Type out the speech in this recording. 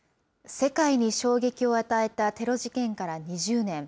世界に衝撃を与えたテロ事件から２０年。